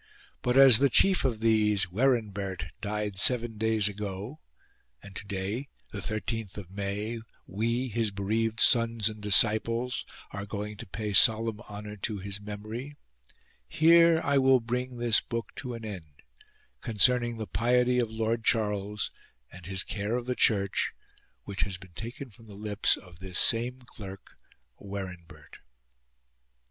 But as the chief of these, Werinbert, died seven days ago and to day (the thirteenth of May) we, his bereaved sons and disciples, are going to pay solemn honour to his memory, here I will bring this book to an end, concerning the piety of Lord Charles and his care of the Church, which has been taken from the lips of this same clerk, Werinbert.